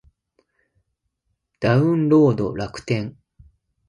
ダウンロード楽天